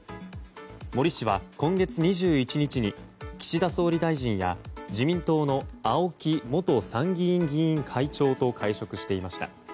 森氏は今月２１日に岸田総理大臣や自民党の青木元参議院議員会長と会食していました。